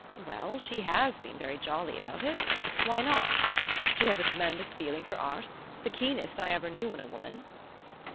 "Well, she has been very jolly about it why not? She has a tremendous feeling for art the keenest I ever knew in a woman."